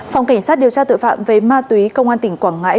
phòng cảnh sát điều tra tội phạm về ma túy công an tỉnh quảng ngãi